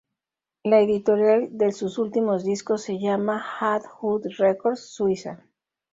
La editorial de sus últimos discos se llama "hat hut records", suiza.